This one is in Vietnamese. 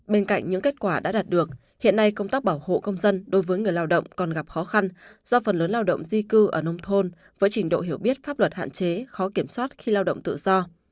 bên cạnh những kết quả đã đạt được hiện nay công tác bảo hộ công dân đối với người lao động còn gặp khó khăn do phần lớn lao động di cư ở nông thôn với trình độ hiểu biết pháp luật hạn chế khó kiểm soát khi lao động tự do